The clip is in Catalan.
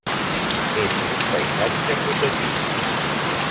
És un paisatge protegit.